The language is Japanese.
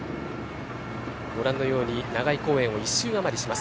ご覧のように長居公園を１周余りします。